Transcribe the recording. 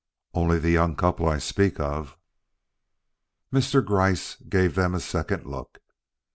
"Only the young couple I speak of." Mr. Gryce gave them a second look.